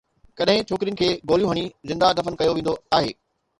ڪڏهن ڇوڪرين کي گوليون هڻي زنده دفن ڪيو ويندو آهي